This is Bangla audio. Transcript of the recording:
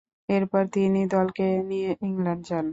এরপর তিনি দলকে নিয়ে ইংল্যান্ড যান।